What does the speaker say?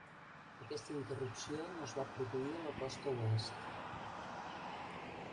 Aquesta interrupció no es va produir a la costa oest.